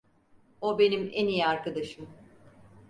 O benim en iyi arkadaşım.